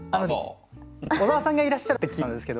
小沢さんがいらっしゃるって聞いてたんですけど。